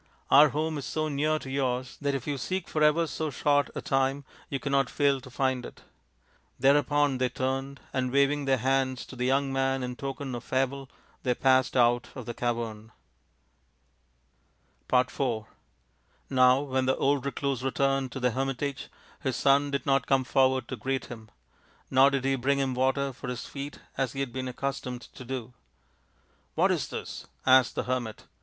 Our home is so near to yours that if you seek for ever so short a time you cannot fail to find it." Thereupon they turned, and waving their hands to the young man in token of farewell, they passed out of the cavern. IV Now when the old recluse returned to the hermitage his son did not come forward to greet him : nor did he bring him water for his feet as he had been accustomed to do. " What is this ?" asked the hermit.